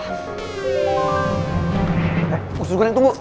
eh usus goreng tunggu